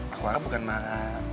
aku marah bukan marah